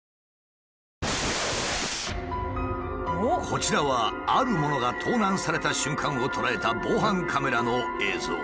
こちらはあるものが盗難された瞬間を捉えた防犯カメラの映像。